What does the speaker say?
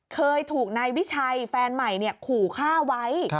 เคยถูกนายวิชัยแฟนใหม่ขู่ฆ่าไว้